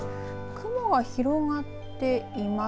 雲が広がっています。